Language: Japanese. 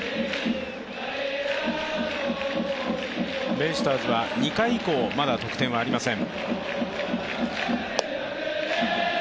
ベイスターズは２回以降まだ得点はありません。